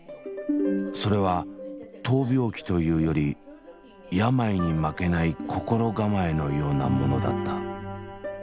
それは闘病記というより病に負けない心構えのようなものだった。